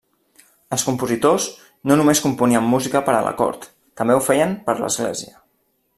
Els compositors no només componien música per a la cort també o feien per l'església.